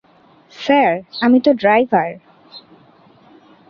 Sir, আমি তো driver.